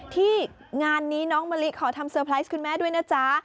ที่งานนี้น้องมะลิขอทำเซอร์ไพรส์คุณแม่ด้วยนะจ๊ะ